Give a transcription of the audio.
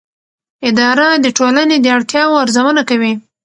اداره د ټولنې د اړتیاوو ارزونه کوي.